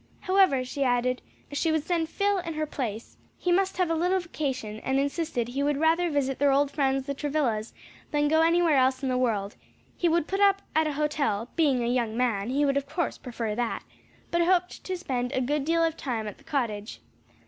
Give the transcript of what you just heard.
"However," she added, "she would send Phil in her place, he must have a little vacation and insisted he would rather visit their old friends the Travillas, than go anywhere else in the world; he would put up at a hotel (being a young man, he would of course prefer that) but hoped to spend a good deal of time at the cottage."